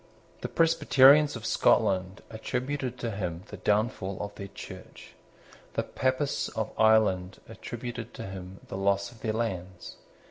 The Presbyterians of Scotland attributed to him the downfall of their Church. The Papists of Ireland attributed to him the loss of their lands.